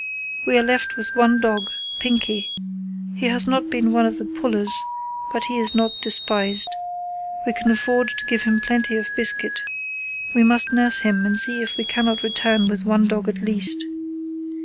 We are left with one dog, Pinkey. He has not been one of the pullers, but he is not despised. We can afford to give him plenty of biscuit. We must nurse him and see if we cannot return with one dog at least.